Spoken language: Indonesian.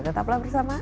tetaplah bersama insight